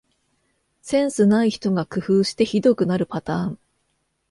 センスない人が工夫してひどくなるパターン